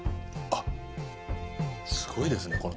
あっすごいですね